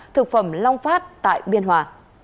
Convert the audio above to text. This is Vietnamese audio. thực phẩm long phát tại biên hòa